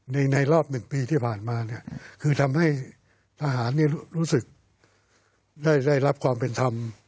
ในรอบ๑ปีที่ผ่านมาเนี่ยคือทำให้ทหารรู้สึกได้รับความเป็นธรรม